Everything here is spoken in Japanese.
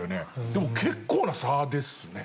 でも結構な差ですね。